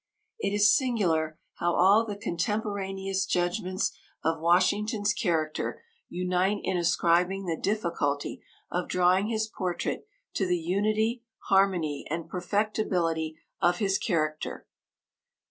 It is singular how all the contemporaneous judgments of Washington's character unite in ascribing the difficulty of drawing his portrait to the unity, harmony, and perfectability of his character.